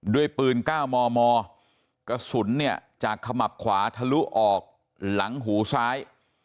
ด้วยปืน๙มมกระสุนเนี่ยจากขมับขวาทะลุออกหลังหูซ้าย